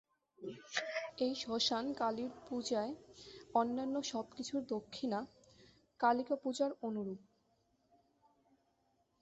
এই শ্মশান কালীর পূজায় অন্যান্য সবকিছু দক্ষিণা কালিকা পূজার অনুরূপ।